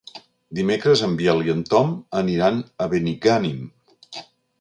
Dimecres en Biel i en Tom aniran a Benigànim.